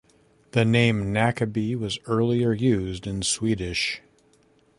The name Nackeby was earlier used in Swedish.